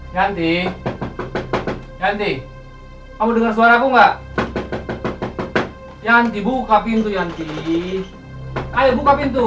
yanti yanti kamu dengar suara aku enggak yanti buka pintu yanti ayo buka pintu